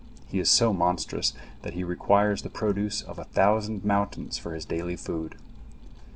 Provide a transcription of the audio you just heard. He is so monstrous that he requires the produce of a thousand mountains for his daily food.